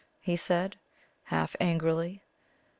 he said, half angrily.